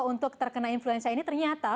untuk terkena influenza ini ternyata